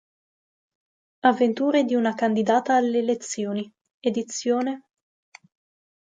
Avventure di una candidata alle elezioni", ed.